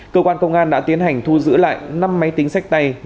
cơ quan công an đã tiến hành thu giữ lại năm máy tính sách tay